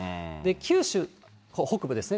九州北部ですね。